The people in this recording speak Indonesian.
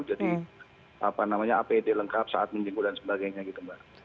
jadi apa namanya apd lengkap saat menyinggung dan sebagainya gitu mbak